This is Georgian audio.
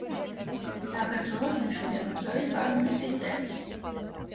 საქართველოს მეშვიდე მოწვევის პარლამენტის წევრი.